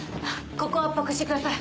ここを圧迫してください。